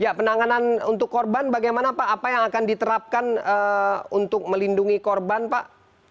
ya penanganan untuk korban bagaimana pak apa yang akan diterapkan untuk melindungi korban pak